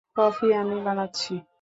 Coffee আমি বানাচ্ছি।